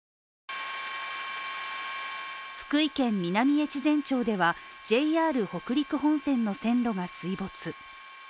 福井県南越前町ではＪＲ北陸本線の線路が水没。